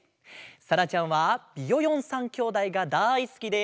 さらちゃんはビヨヨン３きょうだいがだいすきで。